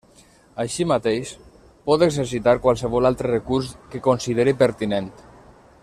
Així mateix pot exercitar qualsevol altre recurs que consideri pertinent.